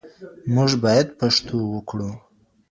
موږ بايد پښتو وکړو.